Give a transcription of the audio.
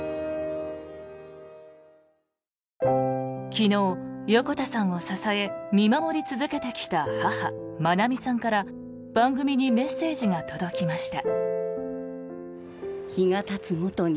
昨日、横田さんを支え見守り続けてきた母・まなみさんから番組にメッセージが届きました。